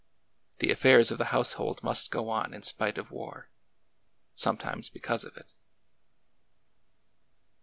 The affairs of the household must go on in spite of war — sometimes because of it.